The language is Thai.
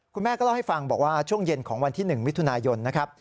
คุณแม่ก็เล่าให้ฟังบอกว่าช่วงเย็นของวันที่๑มิถุนายนนะครับ